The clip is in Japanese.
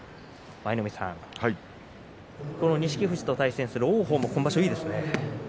舞の海さん、錦富士と対戦する王鵬も今場所いいですね。